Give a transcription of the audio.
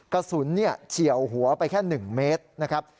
กระสุนเฉี่ยวหัวไปแค่หนึ่งเมตรนะครับ